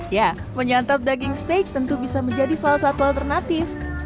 ya menyantap daging steak tentu bisa menjadi salah satu alternatif